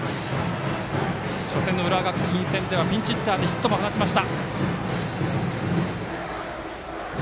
初戦の浦和学院戦ではピンチヒッターでヒットも放ちました。